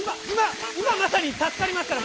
いままさにたすかりますから。